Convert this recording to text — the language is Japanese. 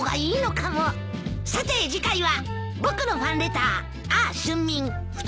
さて次回は。